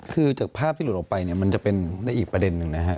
คือจากภาพที่หลุดออกไปเนี่ยมันจะเป็นได้อีกประเด็นหนึ่งนะฮะ